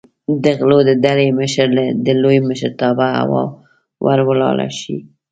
د غلو د ډلې مشر د لوی مشرتابه هوا ور ولاړه شي.